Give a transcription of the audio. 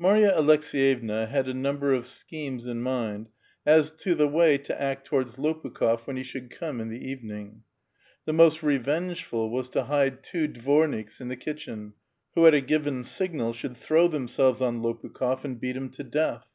ISIary.v A!j:kskyevxa had a number of schemes in mind as to the way to act towards Lopukhof when he should come in the eveniiiu:. The most revengeful was to hide two dvorniks in the kitclien, wiio at a given signal should throw themselves on Lopukii6f, and beat him to death.